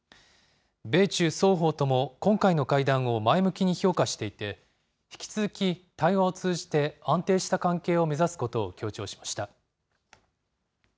米中双方とも今回の会談を前向きに評価していて、引き続き、対話を通じて安定した関係を目指すことを強調しました。